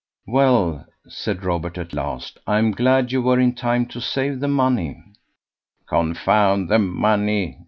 "Well," said Robert at last, "I'm glad you were in time to save the money." "Confound the money!"